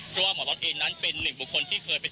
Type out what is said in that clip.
เพราะว่าหมอล็อตเองนั้นเป็นหนึ่งบุคคลที่เคยเป็น